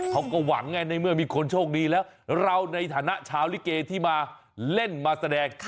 เขาก็หวังไงในเมื่อมีคนโชคดีแล้วเราในฐานะชาวลิเกที่มาเล่นมาแสดง